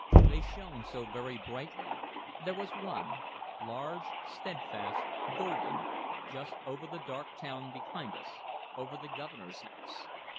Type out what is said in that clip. They shone so very brightly; there was one large, steadfast, golden just over the dark town behind us, over the Governor's house.